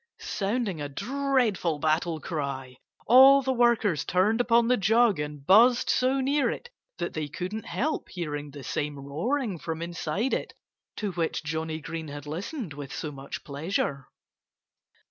Sounding a dreadful battle cry, all the workers turned upon the jug and buzzed so near it that they couldn't help hearing the same roaring from inside it to which Johnnie Green had listened with so much pleasure.